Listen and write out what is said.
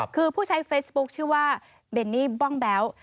คือผู้ใช้เฟซบุ๊คชื่อว่าเบนนี่บ้องแบ๊ว